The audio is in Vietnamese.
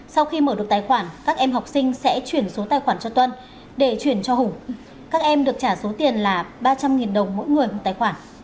sau khi mở được tài khoản các em học sinh sẽ chuyển số tài khoản cho tuân để chuyển cho hùng các em được trả số tiền là ba trăm linh đồng mỗi người một tài khoản